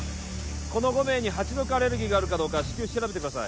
この５名にハチ毒アレルギーがあるかどうか至急調べてください